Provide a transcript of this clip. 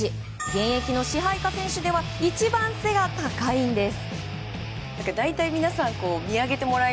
現役の支配下選手では一番背が高いんです。